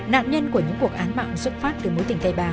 nạn nhân của những cuộc án mạng xuất phát từ mối tình tay bà